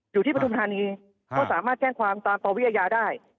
อยู่ที่ประทุมฐานีก็สามารถแจ้งความตามปรวิยายาได้